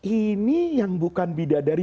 ini yang bukan bidadari